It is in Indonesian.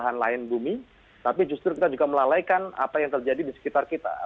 dengan sebuah auflity yang sama dengan teman teman kita